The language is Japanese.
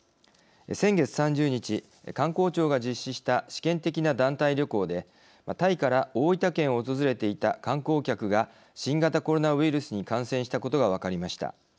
先月３０日、観光庁が実施した試験的な団体旅行でタイから大分県を訪れていた観光客が新型コロナウイルスに感染したことが分かりました。